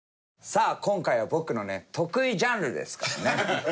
さあ今回は僕のね得意ジャンルですからね。